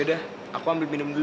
ya udah okay aku ambil minute dulu